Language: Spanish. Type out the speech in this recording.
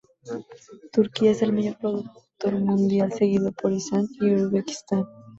Turquía es el mayor productor mundial, seguido por Irán y Uzbekistán.